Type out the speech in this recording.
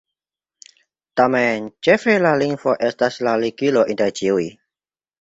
Tamen ĉefe la lingvo estas la ligilo inter ĉiuj.